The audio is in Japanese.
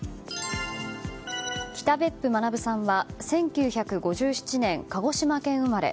北別府学さんは１９５７年、鹿児島県生まれ。